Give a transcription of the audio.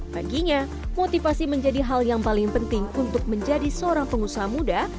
baginya motivasi menjadi hal yang paling penting untuk menjadi seorang pengusaha muda